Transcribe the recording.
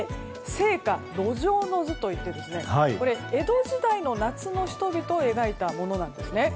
「盛夏路上の図」といって江戸時代の夏の人々を描いたものです。